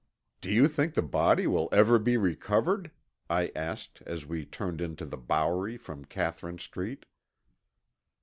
"Do you think the body will ever be recovered?" I asked as we turned into the Bowery from Catherine Street.